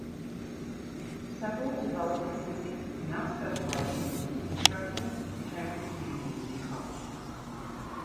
Several development companies now specialize in constructing retirement communities in college towns.